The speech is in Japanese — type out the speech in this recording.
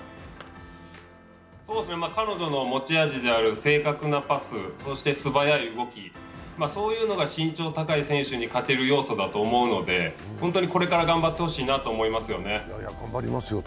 彼女の持ち味である正確なパス、素早い動き、そういうのが身長の高い選手に勝てる要素だと思うので本当にこれから頑張ってほしいなと思いますね。